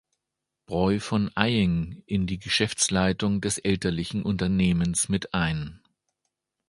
Bräu von Aying, in die Geschäftsleitung des elterlichen Unternehmens mit ein.